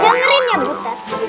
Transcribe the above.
jangerin ya butet